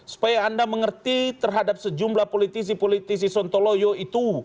supaya anda mengerti terhadap sejumlah politisi politisi sontoloyo itu